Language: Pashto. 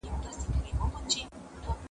سبزیجات د مور له خوا تيار کيږي،